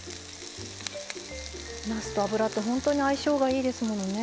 なすと油って本当に相性がいいですものね。